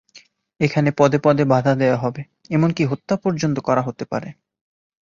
এখানে পদে পদে বাধা দেওয়া হবে, এমনকি হত্যা পর্যন্ত করা হতে পারে।